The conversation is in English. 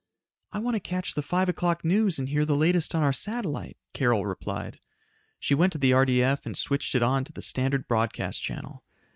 "I want to catch the 5 o'clock news and hear the latest on our satellite," Carol replied. She went to the RDF and switched it on to the standard broadcast channel.